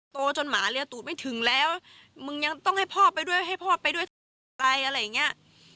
ตัวจนหมาเลียตูดไม่ถึงแล้วมึงยังต้องให้พ่อไปด้วยให้พ่อไปด้วยอะไรอะไรอย่างนี้